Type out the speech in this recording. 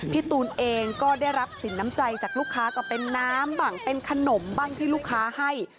พี่ตูนเองก็ได้รับสินน้ำใจจากลูกค้าก็เป็นน้ำบ้างเป็นขนมบ้างที่ลูกค้าให้